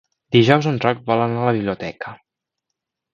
Dijous en Roc vol anar a la biblioteca.